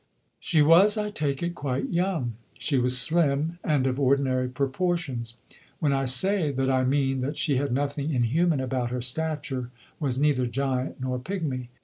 She was, I take it, quite young, she was slim and of ordinary proportions. When I say that I mean that she had nothing inhuman about her stature, was neither giant nor pygmy.